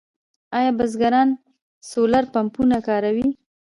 آیا بزګران سولر پمپونه کاروي؟